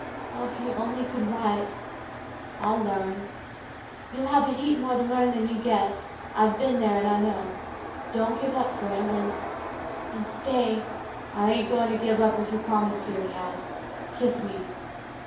Oh, if you only could write !" "I'll larn." "You'll have a heap more to learn than you guess. I've been there, and I know. Don't give up, Frale, and — and stay—" "I hain't going to give up with your promise here, Cass ; kiss me."